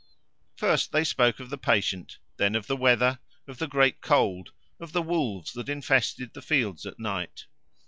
First they spoke of the patient, then of the weather, of the great cold, of the wolves that infested the fields at night.